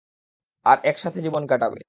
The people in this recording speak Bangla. আর একসাথে জীবন কাটাবে।